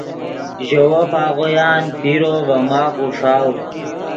ژے وف آغویان پیرو ڤے ماخ اوݰاؤ